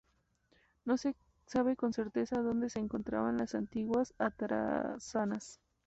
No se sabe con certeza donde se encontraban las antiguas atarazanas.